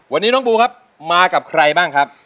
วันนี้น้องบูครับมากับใครบ้างครับ